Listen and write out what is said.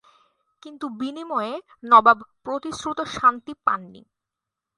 কিন্তু বিনিময়ে নবাব প্রতিশ্রুত শান্তি পান নি।